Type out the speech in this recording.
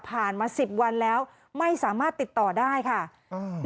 มาสิบวันแล้วไม่สามารถติดต่อได้ค่ะอืม